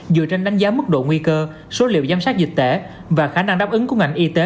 dựa trên đánh giá mức độ nguy cơ số liệu giám sát dịch tễ và khả năng đáp ứng của ngành y tế